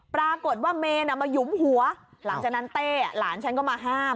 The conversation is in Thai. ปรากฏว่าเมนมาหยุมหัวหลังจากนั้นเต้หลานฉันก็มาห้าม